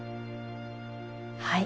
はい。